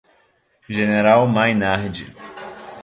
General Maynard